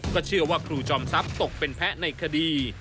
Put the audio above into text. เชื่อว่าครูจอมทรัพย์ตกเป็นแพ้ในคดี